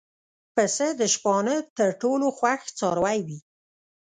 پسه د شپانه تر ټولو خوښ څاروی وي.